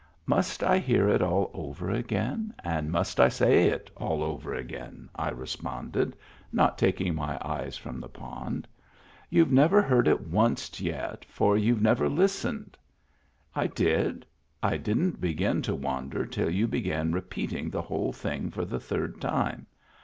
" Must I hear it all over again and must I say it all over again?" I responded, not taking my eye from the pond. " You've never heard it wunst yet, for you Ve never listened." " I did. I didn't begin to wander till you be gan repeating the whole thing for the third time.